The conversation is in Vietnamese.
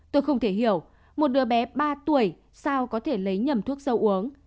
tôi không thể hiểu một đứa bé ba tuổi sao có thể lấy nhầm thuốc rau uống